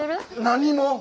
何も！